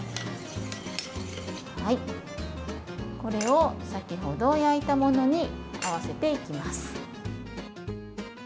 これを先ほど焼いたものに合わせていきます。